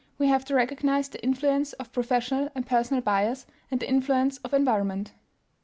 We have to recognize the influence of professional and personal bias and the influence of environment.